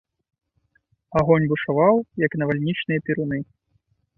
Агонь бушаваў, як навальнічныя перуны.